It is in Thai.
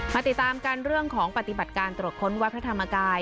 ติดตามกันเรื่องของปฏิบัติการตรวจค้นวัดพระธรรมกาย